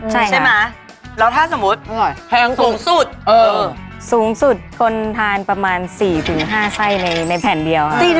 ใช่ไหมแล้วถ้าสมมุติแพงสูงสุดสูงสุดคนทานประมาณ๔๕ไส้ในแผ่นเดียวค่ะ